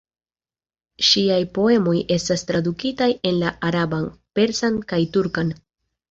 Ŝiaj poemoj estas tradukitaj en la araban, persan kaj turkan.